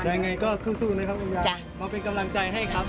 ยังไงก็สู้นะครับมาเป็นกำลังใจให้ครับ